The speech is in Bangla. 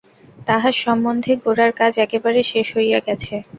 তাহার সম্বন্ধে গোরার কাজ একেবারে শেষ হইয়া গেছে?